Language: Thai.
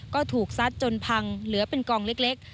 ก็ถูกซัดจนพังเหลือเป็นกองเล็ก